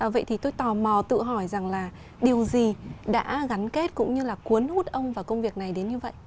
vậy thì tôi tò mò tự hỏi rằng là điều gì đã gắn kết cũng như là cuốn hút ông vào công việc này đến như vậy